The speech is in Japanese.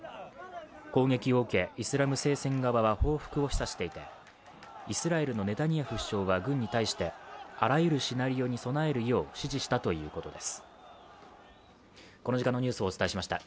攻撃を受けイスラム聖戦側は報復を示唆していてイスラエルのネタニヤフ首相は軍に対してあらゆるシナリオに備えるよう指示したということです。